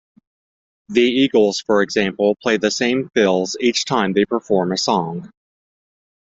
The Eagles, for example, play the same fills each time they perform a song.